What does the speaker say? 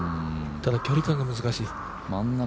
ただ、距離感が難しい。